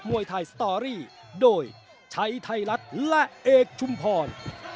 วยไทยสตอรี่โดยชัยไทยรัฐและเอกชุมพร